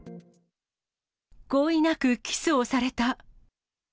合意なくキスをされた。